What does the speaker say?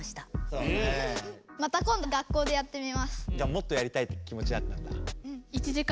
もっとやりたいって気持ちになったんだ？